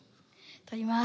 取ります！